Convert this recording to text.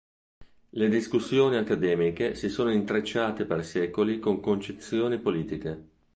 Le discussioni accademiche si sono intrecciate per secoli con concezioni politiche.